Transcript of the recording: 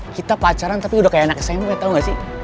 kita pacaran tapi udah kayak anak smp gak tau gak sih